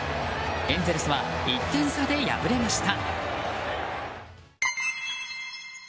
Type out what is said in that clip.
エンゼルスは１点差で敗れました。